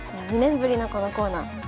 ２年ぶりのこのコーナー。